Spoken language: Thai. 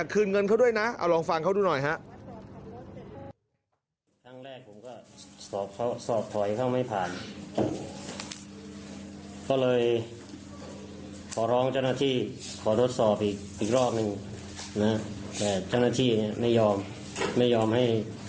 คืนเงินเขาด้วยนะเอาลองฟังเขาดูหน่อยฮะ